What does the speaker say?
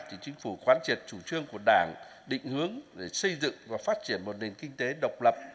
thì chính phủ khoán triệt chủ trương của đảng định hướng để xây dựng và phát triển một nền kinh tế độc lập